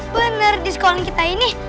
bener di sekolah kita ini